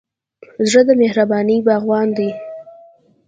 زړه د مهربانۍ باغوان دی.